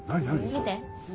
見て。